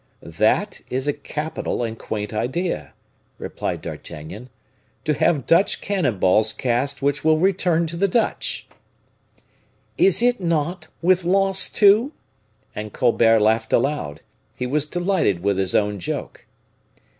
"That is a capital and quaint idea," replied D'Artagnan, "to have Dutch cannon balls cast which will return to the Dutch." "Is it not, with loss, too?" And Colbert laughed aloud. He was delighted with his own joke.